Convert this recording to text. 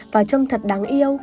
và trông thật đáng yêu